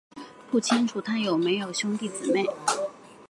不清楚他有没有兄弟姊妹。